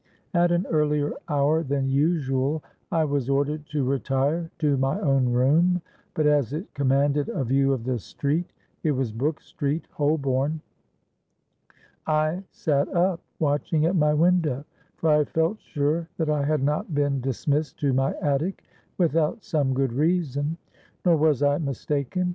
At an earlier hour than usual I was ordered to retire to my own room; but as it commanded a view of the street—it was Brook Street, Holborn—I sate up, watching at my window—for I felt sure that I had not been dismissed to my attic without some good reason. Nor was I mistaken.